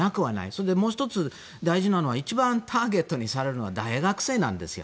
それでもう１つ大事なのが一番ターゲットにされるのが大学生なんですよ。